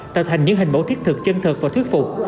tạo thành những hình mẫu thiết thực chân thật và thuyết phục